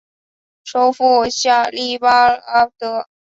首府贾利拉巴德。